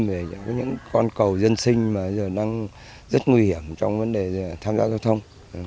về những con cầu dân sinh mà bây giờ đang rất nguy hiểm trong vấn đề tham gia giao thông